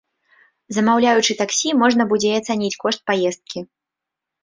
Замаўляючы таксі, можна будзе і ацаніць кошт паездкі.